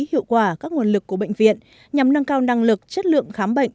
hiệu quả các nguồn lực của bệnh viện nhằm nâng cao năng lực chất lượng khám bệnh